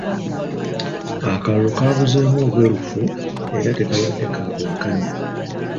Akalulu kabuzeemu obwerufu era tekabadde ka bwenkanya.